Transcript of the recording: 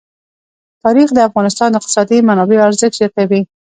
تاریخ د افغانستان د اقتصادي منابعو ارزښت زیاتوي.